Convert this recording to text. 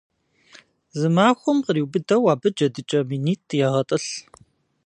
Зы махуэм къриубыдэу абы джэдыкӀэ минитӏ егъэтӏылъ.